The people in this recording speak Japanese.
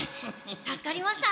助かりました。